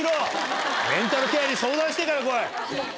メンタルケアに相談してから来い。